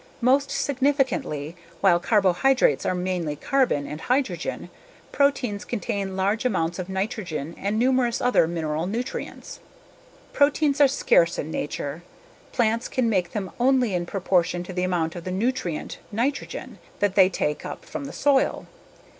Most significantly, while carbohydrates are mainly carbon and hydrogen, proteins contain large amounts of nitrogen and numerous other mineral nutrients. Proteins are scarce in nature. Plants can make them only in proportion to the amount of the nutrient, nitrogen, that they take up from the soil.